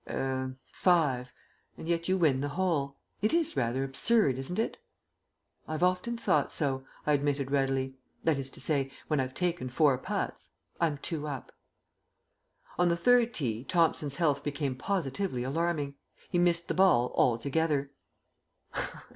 "Er five. And yet you win the hole. It is rather absurd, isn't it?" "I've often thought so," I admitted readily. "That is to say, when I've taken four putts. I'm two up." On the third tee Thomson's health became positively alarming. He missed the ball altogether.